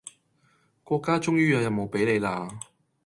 國家終於有任務俾你喇